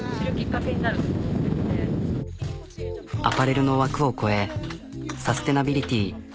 アパレルの枠を超えサステイナビリティー